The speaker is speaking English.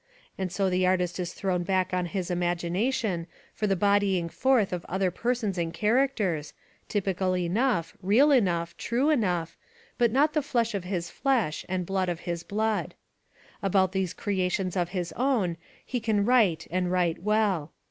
And so the artist is thrown back on his imagination for the bodying forth of other persons and characters, typical enough, real enough, true enough, but not the flesh of his flesh and blood of his blood. About these creations of his own he can write and write well.